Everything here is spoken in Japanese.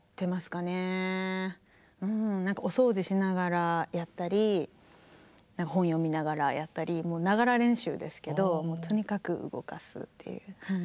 うん何かお掃除しながらやったり本読みながらやったりながら練習ですけどとにかく動かすっていう。